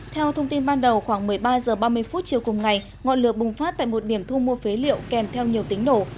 theo thông tin ban đầu khoảng một mươi ba h ba mươi chiều cùng ngày ngọn lửa bùng phát tại một điểm thu mua phế liệu kèm theo nhiều tính nổ